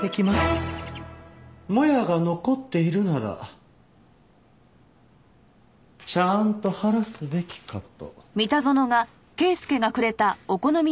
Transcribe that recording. もやが残っているならちゃんと晴らすべきかと。